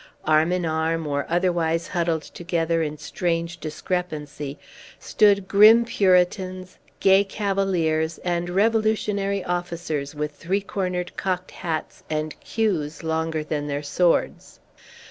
Arm in arm, or otherwise huddled together in strange discrepancy, stood grim Puritans, gay Cavaliers, and Revolutionary officers with three cornered cocked hats, and queues longer than their swords.